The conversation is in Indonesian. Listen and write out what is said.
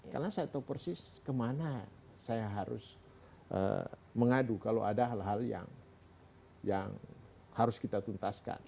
karena saya tahu persis kemana saya harus mengadu kalau ada hal hal yang harus kita tuntaskan